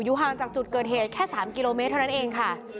ห่างจากจุดเกิดเหตุแค่๓กิโลเมตรเท่านั้นเองค่ะ